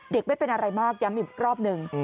ไม่เป็นอะไรมากย้ำอีกรอบหนึ่ง